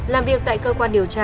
làm việc tại cơ quan điều tra